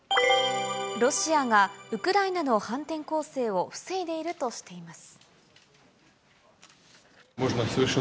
ロシアがウクライナの反転攻勢を防いでいるとしています。